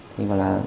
thì mình đã